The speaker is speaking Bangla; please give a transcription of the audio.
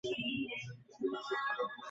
তিনি বসরার চেয়ে কুফার ধারার পক্ষপাতী ছিলেন।